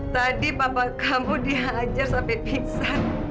tadi papa kamu dihajar sampai pingsan